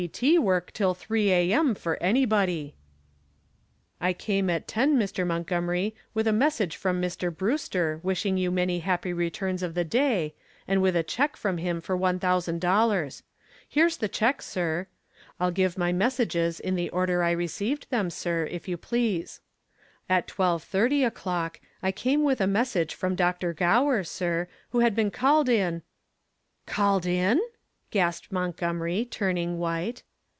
D.T. work till three A.M. for anybody." "I came at ten, Mr. Montgomery, with a message from Mr. Brewster, wishing you many happy returns of the day, and with a check from him for one thousand dollars. Here's the check, sir. I'll give my messages in the order I received them, sir, if you please. At twelve thirty o'clock, I came with a message from Dr. Gower, sir, who had been called in " "Called in?" gasped Montgomery, turning white.